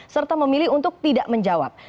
serta memilih untuk tidak menjawab